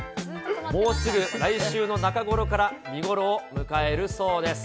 もうすぐ来週の中頃から見頃を迎えるそうです。